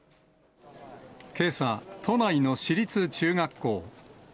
けさ、都内の私立中学校。